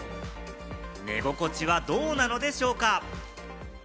寝心地はどうなのでしょうか？